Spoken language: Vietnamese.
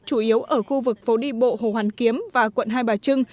chủ yếu ở khu vực phố đi bộ hồ hoàn kiếm và quận hai bà trưng